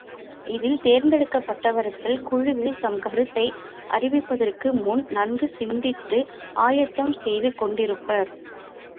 இதில் தேர்ந்தெடுக்கப்பட்டவர்கள் குழுவில் தம் கருத்தை அறிவிப்பதற்கு முன் நன்கு சிந்தித்து ஆயத்தம் செய்து கொண்டிருப்பர்.